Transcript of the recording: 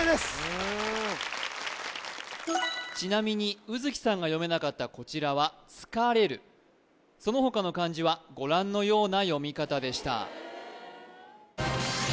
うんちなみに卯月さんが読めなかったこちらはつかれるその他の漢字はご覧のような読み方でした